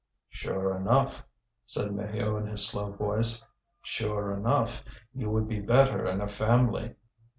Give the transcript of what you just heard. "Sure enough!" said Maheu in his slow voice, "sure enough, you would be better in a family."